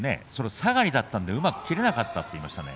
下がりだったのでうまく切れなかったと言っていましたね